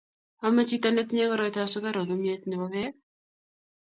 amei chito ne tinyei koroitab sukaruk kimyet ne bo beek